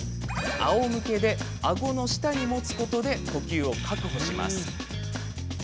あおむけであごの下に持つことで呼吸を確保します。